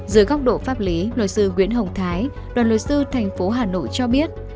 dưới góc độ pháp lý luật sư nguyễn hồng thái đoàn luật sư thành phố hà nội cho biết